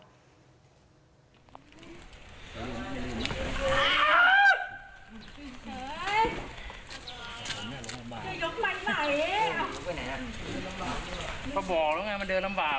จะยกไหมไหมไปไหนอ่ะเพราะบอกแล้วไงมันเดินลำบาก